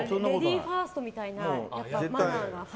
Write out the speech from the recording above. レディーファーストみたいなマナーが。